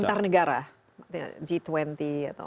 antar negara g dua puluh atau